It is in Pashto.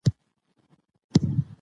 ډوډۍ له بخاره سره راوړل شوه.